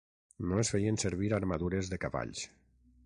No es feien servir armadures de cavalls.